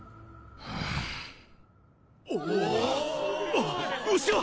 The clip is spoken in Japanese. あっ牛を！